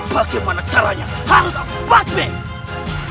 bagaimana caranya harus aku batuk